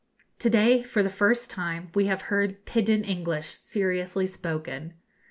To day, for the first time, we have heard 'pidgin English' seriously spoken.